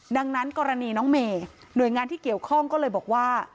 ดังนั้นกรณีน้องเมย์หน่วยงานที่เกี่ยวข้องก็เลยบอกว่า